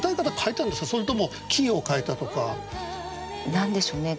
何でしょうね。